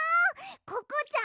ココちゃん